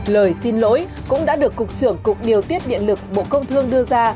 lời xin lỗi cũng đã được cục trưởng cục điều tiết điện lực bộ công thương đưa ra